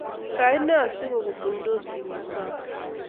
Kaine asigogutunydos biik ngosae